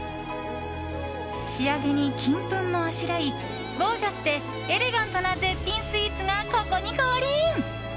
仕上げに金粉もあしらいゴージャスでエレガントな絶品スイーツがここに降臨！